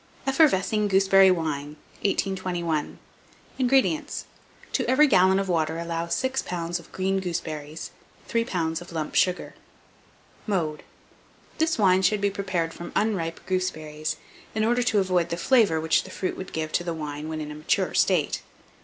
EFFERVESCING GOOSEBERRY WINE. 1821. INGREDIENTS. To every gallon of water allow 6 lbs. of green gooseberries, 3 lbs. of lump sugar. Mode. This wine should be prepared from unripe gooseberries, in order to avoid the flavour which the fruit would give to the wine when in a mature state.